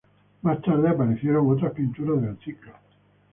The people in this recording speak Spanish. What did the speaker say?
Más tarde aparecieron otras pinturas del ciclo.